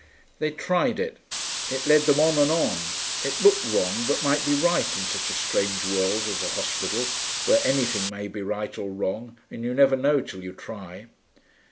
They tried it. It led them on and on. It looked wrong, but might be right, in such a strange world as a hospital, where anything may be right or wrong and you never know till you try.